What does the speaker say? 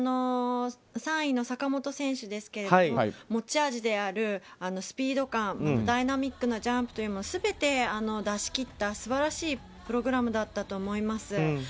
３位の坂本選手ですが持ち味であるスピード感ダイナミックなジャンプを全て出し切った素晴らしいプログラムだったと思います。